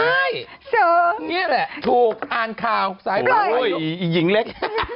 นี่แหละถูกอ่านข่าวซ้ายปล่อยอยู่อุ้ยอีหญิงเล็ก